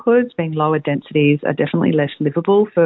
kualitas yang lebih rendah adalah lebih kurang hidup